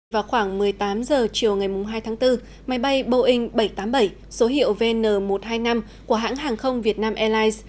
vào khoảng một mươi tám h chiều ngày hai tháng bốn máy bay boeing bảy trăm tám mươi bảy số hiệu vn một trăm hai mươi năm của hãng hàng không việt nam airlines